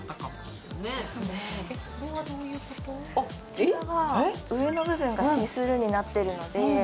こちらは上の部分がシースルーになっているので。